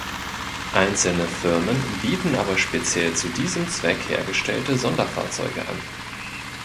Einzelne Firmen bieten aber speziell zu diesem Zweck hergestellte Sonderfahrzeuge an.